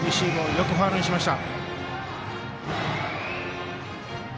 よくファウルにしました。